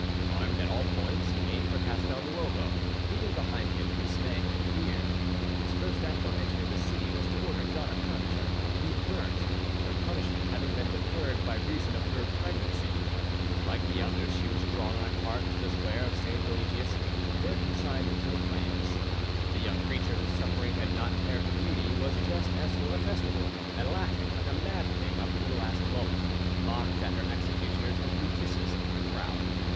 Armed at all points, he made for Castel Nuovo, leaving behind him dismay and fear. His first act on entering the city was to order Dona Cancha to be burnt, her punishment having been deferred by reason of her pregnancy. Like the others, she was drawn on a cart to the square of St. Eligius, and there consigned to the flames. The young creature, whose suffering had not impaired her beauty, was dressed as for a festival, and laughing like a mad thing up to the last moment, mocked at her executioners and threw kisses to the crowd.